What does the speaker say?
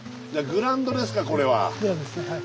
グラウンドですね。